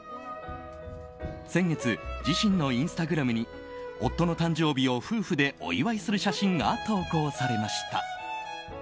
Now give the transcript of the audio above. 先月、自身のインスタグラムに夫の誕生日を夫婦でお祝いする写真が投稿されました。